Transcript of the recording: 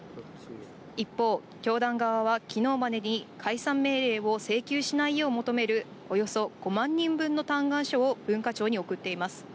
一方、教団側はきのうまでに解散命令を請求しないよう求める、およそ５万人分の嘆願書を文化庁に送っています。